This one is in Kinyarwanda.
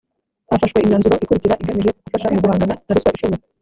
hafashwe imyanzuro ikurikira igamije gufasha mu guhangana na ruswa ishobora